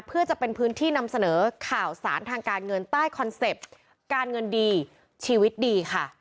เพื่อจะเป็นพื้นที่นำเสนอข่าวสารทางการเงินใต้คอนเซ็ปต์การเงินดีชีวิตดีค่ะ